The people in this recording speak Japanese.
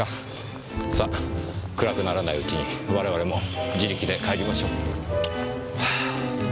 さあ暗くならないうちに我々も自力で帰りましょう。